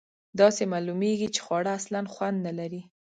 داسې معلومیږي چې خواړه اصلآ خوند نه لري.